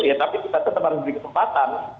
ya tapi kita tetap harus beri kesempatan